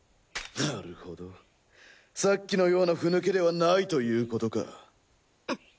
なるほどさっきのようなふぬけではないということか。